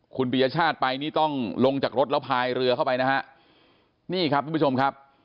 คุณปียชาติไปนี่ต้องลงจากรถแล้วพายเรือเข้าไปนะฮะนี่ครับทุกผู้ชมครับ